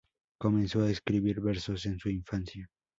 Comenzó a escribir versos en su infancia.